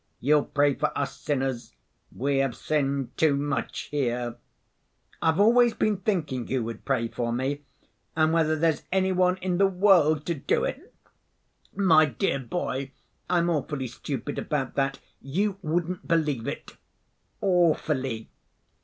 You'll pray for us sinners; we have sinned too much here. I've always been thinking who would pray for me, and whether there's any one in the world to do it. My dear boy, I'm awfully stupid about that. You wouldn't believe it. Awfully.